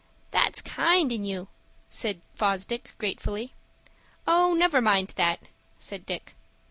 "That's kind in you," said Fosdick, gratefully. "Oh, never mind that," said Dick.